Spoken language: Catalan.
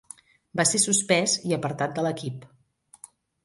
Va ser suspès i apartat de l'equip.